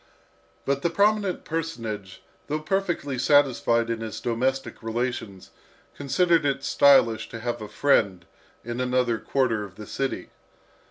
But the prominent personage, though perfectly satisfied in his domestic relations, considered it stylish to have a friend in another quarter of the city.